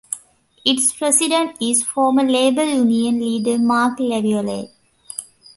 Its president is former labour union leader Marc Laviolette.